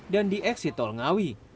dan di eksit tol ngawi